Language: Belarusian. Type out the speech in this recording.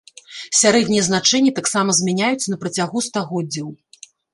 Сярэднія значэнні таксама змяняюцца на працягу стагоддзяў.